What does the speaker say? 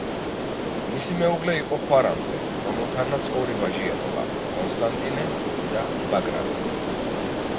მისი მეუღლე იყო ხვარამზე, რომელთანაც ორი ვაჟი ეყოლა: კონსტანტინე და ბაგრატი.